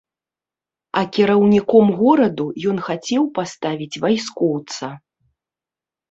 А кіраўніком гораду ён хацеў паставіць вайскоўца.